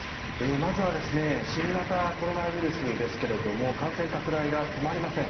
まずは新型コロナウイルスですけれども感染拡大が止まりません。